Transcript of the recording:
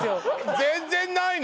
全然ないの？